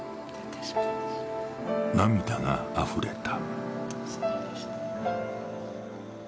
涙があふれた。